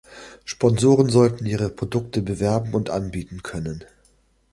Sponsoren sollten ihre Produkte bewerben und anbieten können.